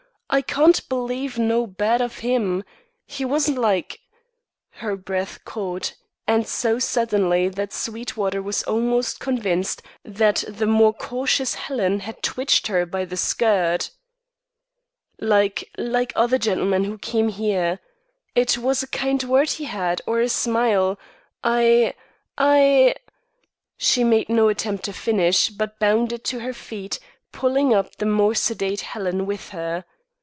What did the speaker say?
I can't believe no bad of him. He wasn't like " Her breath caught, and so suddenly that Sweetwater was always convinced that the more cautious Helen had twitched her by her skirt. "Like like other gentlemen who came here. It was a kind word he had or a smile. I I " She made no attempt to finish but bounded to her feet, pulling up the more sedate Helen with her.